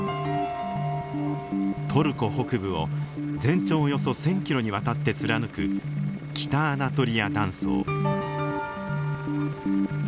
トルコ北部を全長およそ１，０００キロにわたって貫く北アナトリア断層。